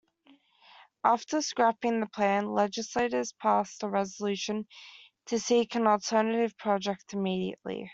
After scrapping the plan, legislators passed a resolution to seek an alternative project immediately.